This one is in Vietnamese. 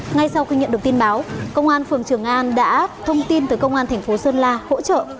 ngay sau khi nhận được tin báo công an phường trường an đã thông tin tới công an thành phố sơn la hỗ trợ